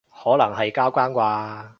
可能係交更啩